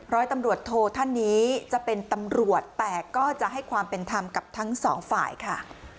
ร้อยตำรวจโทท่านนี้จะเป็นตำรวจแต่ก็จะให้ความเป็นธรรมกับทั้งสองฝ่ายค่ะ